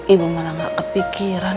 ibu malah gak kepikiran